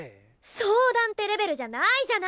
相談ってレベルじゃないじゃない！